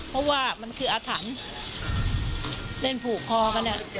เพราะว่ามันคืออาถรรพ์เล่นผูกคอกันเนี่ย